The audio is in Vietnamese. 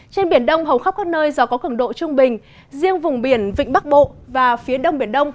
trên biển đông hầu khắp các nơi do có cường độ trung bình riêng vùng biển vịnh bắc bộ và phía đông biển đông